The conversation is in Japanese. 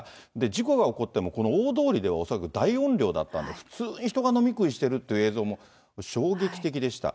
事故が起こっても、この大通りでは恐らく大音量だったんで、普通に人が飲み食いしてるって映像も衝撃的でした。